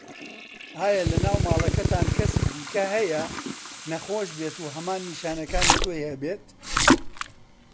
ئایا لەناو ماڵەکەتان کەسی دیکه هەیە نەخۆش بێت و هەمان نیشانەکانی تۆی هەبێت؟